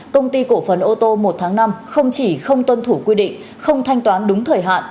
công ty cổ phần ô tô một tháng năm không chỉ không tuân thủ quy định không thanh toán đúng thời hạn